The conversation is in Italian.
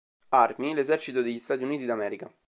Army, l'esercito degli Stati Uniti d'America.